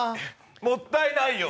もったいないよ。